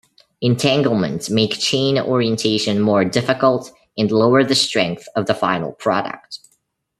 Entanglements make chain orientation more difficult, and lower the strength of the final product.